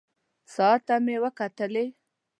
ساعت ته مې وکتلې.